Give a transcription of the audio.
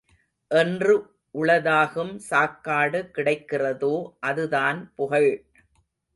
என்று உளதாகும் சாக்காடு கிடைக்கிறதோ அதுதான் புகழ்.